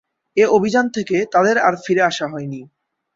এই অভিযান থেকে তাদের আর ফিরে আসা হয়নি।